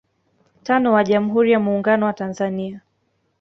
tano wa Jamhuri ya Muungano wa Tanzania